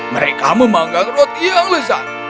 mereka memanggang roti yang lezat